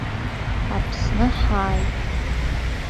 Аԥсны ҳааит.